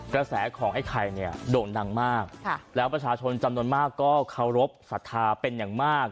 กระแสของไอ้ไข่เนี่ยโด่งดังมากแล้วประชาชนจำนวนมากก็เคารพสัทธาเป็นอย่างมาก